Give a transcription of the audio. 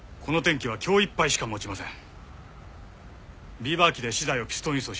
ビーバー機で資材をピストン輸送します